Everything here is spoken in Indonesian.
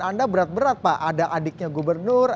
anda berat berat pak ada adiknya gubernur